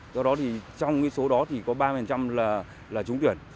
do đó thì trong cái số đó thì có ba là trúng tuyển